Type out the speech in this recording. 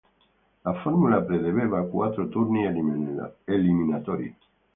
La formula prevedeva quattro turni eliminatori.